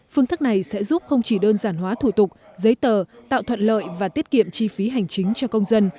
phương thức này sẽ giúp không chỉ đơn giản hóa thủ tục giấy tờ tạo thuận lợi và tiết kiệm chi phí hành chính cho công dân